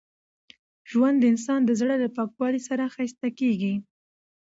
ژوند د انسان د زړه له پاکوالي سره ښایسته کېږي.